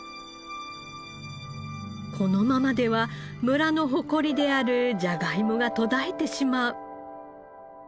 このままでは村の誇りであるじゃがいもが途絶えてしまう。